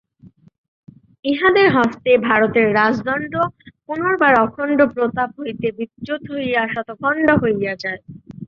ইঁহাদের হস্তে ভারতের রাজদণ্ড পুনর্বার অখণ্ড প্রতাপ হইতে বিচ্যুত হইয়া শতখণ্ড হইয়া যায়।